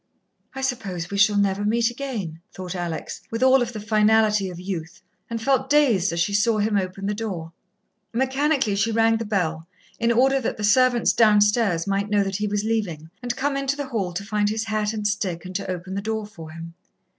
"I suppose we shall never meet again," thought Alex, with all the finality of youth, and felt dazed as she saw him open the door. Mechanically, she rang the bell in order that the servants downstairs might know that he was leaving, and come into the hall to find his hat and stick and to open the door for him.